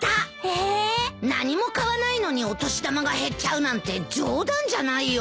何も買わないのにお年玉が減っちゃうなんて冗談じゃないよ。